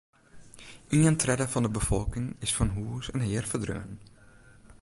Ien tredde fan de befolking is fan hûs en hear ferdreaun.